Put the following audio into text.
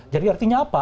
jadi artinya apa